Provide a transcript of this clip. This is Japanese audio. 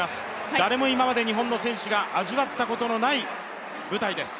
誰も今まで日本の選手が味わったことのない舞台です。